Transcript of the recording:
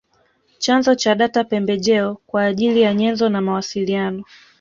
Chanzo cha data pembejeo kwa ajili ya nyenzo na mawasiliano